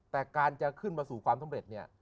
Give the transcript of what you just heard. แต่การจะขึ้นมาสู่ความสำเร็จเนี่ย